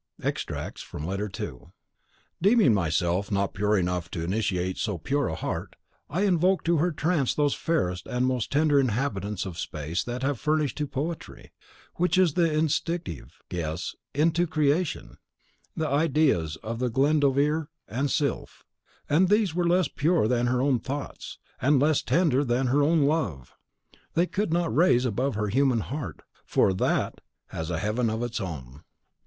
.... Extracts from Letter II. Deeming myself not pure enough to initiate so pure a heart, I invoke to her trance those fairest and most tender inhabitants of space that have furnished to poetry, which is the instinctive guess into creation, the ideas of the Glendoveer and Sylph. And these were less pure than her own thoughts, and less tender than her own love! They could not raise her above her human heart, for THAT has a heaven of its own.